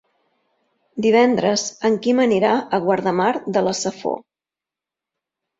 Divendres en Quim anirà a Guardamar de la Safor.